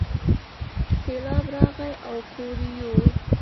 سیلاب راغی او کور یې یووړ.